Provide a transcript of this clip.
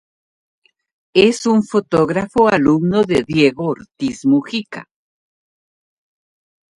Es un fotógrafo alumno de Diego Ortiz Mugica.